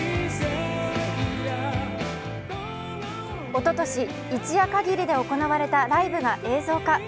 おととし、一夜限りで行われたライブが映像化。